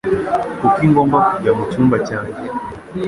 Kuki ngomba kujya mucyumba cyanjye?